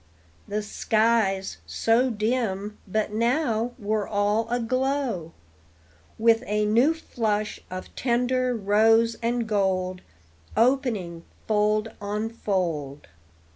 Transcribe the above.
The skies, so dim but now, were all aglow With a new flush of tender rose and gold, Opening fold on fold.